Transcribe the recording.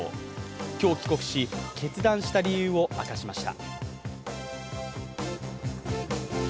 今日、帰国し、決断した理由を明かしました。